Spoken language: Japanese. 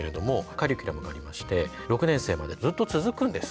カリキュラムがありまして６年生までずっと続くんです。